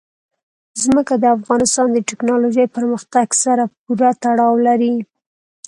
ځمکه د افغانستان د تکنالوژۍ پرمختګ سره پوره تړاو لري.